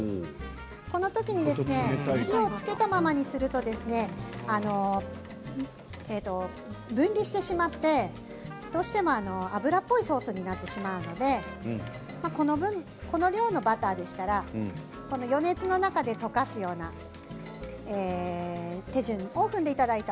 このときに火をつけたままにすると分離してしまってどうしても脂っぽいソースになってしまうのでこの量のバターでしたら余熱の中で溶かすような手順で。